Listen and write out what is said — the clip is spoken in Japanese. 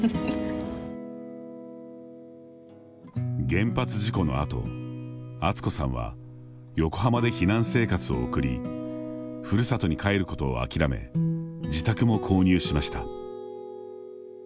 原発事故の後、敦子さんは横浜で避難生活を送りふるさとに帰ることを諦め自宅も購入しました。